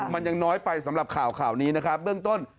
มันยังน้อยไปสำหรับข่าวข่าวนี้นะครับเบื้องต้น